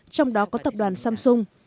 trong đó có tập đoàn samsung